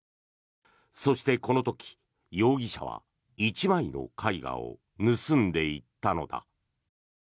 そして、この時、容疑者は１枚の絵画を盗んでいったのだ。